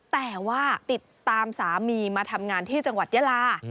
แต่ว่าติดตามสามีมาทำงานที่จังหวัดยาลา